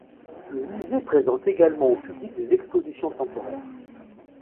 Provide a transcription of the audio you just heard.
Le musée présente également au public des expositions temporaires.